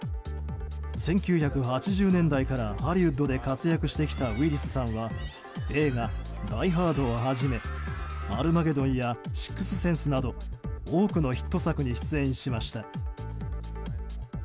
１９８０年代からハリウッドで活躍してきたウィリスさんは映画「ダイ・ハード」をはじめ「アルマゲドン」や「シックス・センス」など多くのヒット作に出演しました。